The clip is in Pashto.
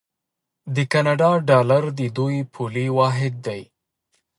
د کاناډا ډالر د دوی پولي واحد دی.